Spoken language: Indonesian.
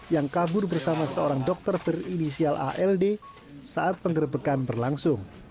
yang kabur bersama seorang dokter berinisial ald saat penggerbekan berlangsung